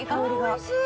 おいしい。